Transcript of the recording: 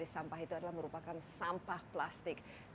sampah plastik adalah sampah yang cukup sulit ditangani